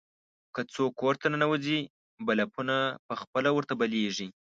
که څوک کور ته ننوځي، بلپونه په خپله ورته بلېږي.